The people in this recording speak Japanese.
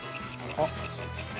［あっ］